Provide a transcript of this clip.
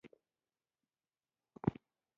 لا جنون مې ددې خلکو ناپخته دی.